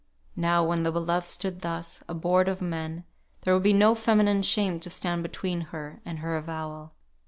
Now, when the beloved stood thus, abhorred of men, there would be no feminine shame to stand between her and her avowal.